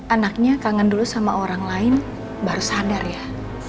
anaknya kangen dulu sama orang lain baru sadar ya